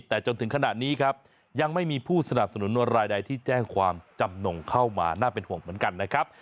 แต่จนถึงขณะนี้ครับยังไม่มีผู้สนับสนุนรายใดที่แจ้งความจำนงเข้ามาน่าเป็นห่วงเหมือนกันนะครับ